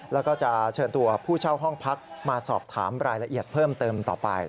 แล้วก็จะเชิญตัวผู้เช่าห้องพักมาสอบถามรายละเอียดเพิ่มเติมต่อไป